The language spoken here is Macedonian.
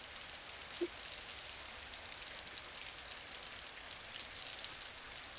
Нападите од САД се стратегија на републиканците